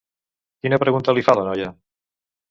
Quina pregunta li fa la noia?